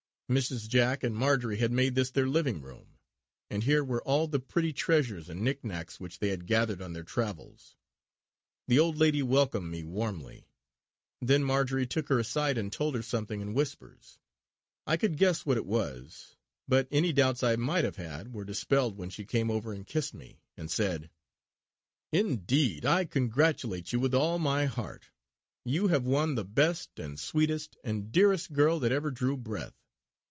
Mrs. Jack and Marjory had made this their living room, and here were all the pretty treasures and knick knacks which they had gathered on their travels. The old lady welcomed me warmly. Then Marjory took her aside and told her something in whispers. I could guess what it was; but any doubts I might have had were dispelled when she came over and kissed me and said: "Indeed, I congratulate you with all my heart. You have won the best, and sweetest, and dearest girl that ever drew breath.